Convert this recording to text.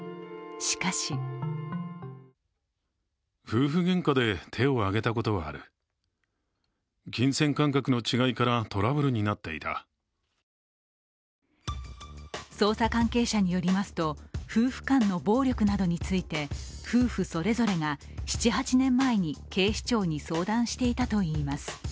しかし捜査関係者によりますと夫婦間の暴力などについて夫婦それぞれが７８年前に警視庁に相談していたといいます。